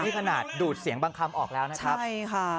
นี่ขนาดดูดเสียงบางคำออกแล้วนะครับใช่ค่ะ